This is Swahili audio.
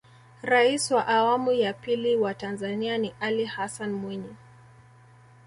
rais wa awamu ya pili wa tanzania ni alli hassan mwinyi